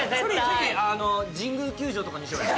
次神宮球場とかにしようや。